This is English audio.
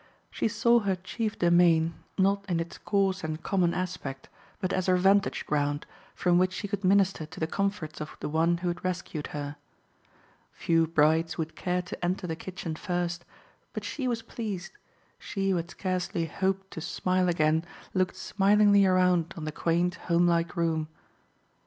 She saw her chief domain, not in its coarse and common aspect, but as her vantage ground, from which she could minister to the comforts of the one who had rescued her. Few brides would care to enter the kitchen first, but she was pleased; she who had scarcely hoped to smile again looked smilingly around on the quaint, homelike room.